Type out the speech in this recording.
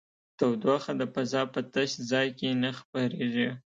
تودوخه د فضا په تش ځای کې نه خپرېږي.